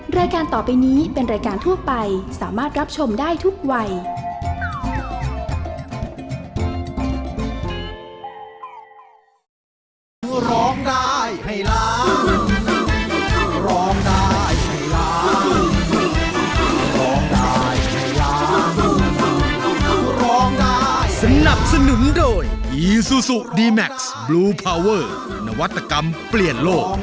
รายการต่อไปนี้เป็นรายการทั่วไปสามารถรับชมได้ทุกวัย